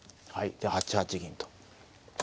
で８八銀と。